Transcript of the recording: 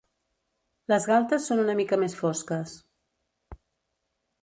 Les galtes són una mica més fosques.